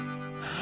あ！